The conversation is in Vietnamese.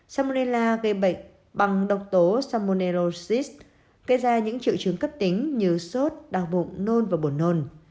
samela gây bệnh bằng độc tố samonelosis gây ra những triệu chứng cấp tính như sốt đau bụng nôn và buồn nôn